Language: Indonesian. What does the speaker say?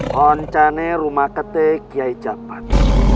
hanya rumah kita yang cepat